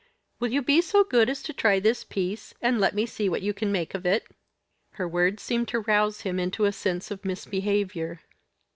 Will you be so good as to try this piece, and let me see what you can make of it." Her words seemed to rouse him to a sense of misbehaviour.